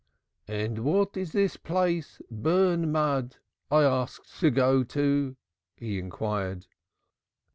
"And what is this place, Burnmud, I ask to go to?" he inquired.